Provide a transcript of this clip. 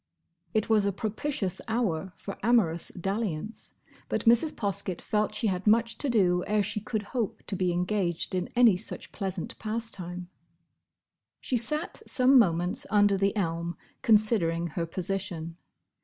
It was a propitious hour for amorous dalliance, but Mrs. Poskett felt she had much to do ere she could hope to be engaged in any such pleasant pastime. She sat some moments under the elm considering her position.